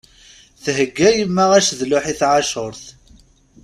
Theyya yemma acedluḥ i tɛacuṛt.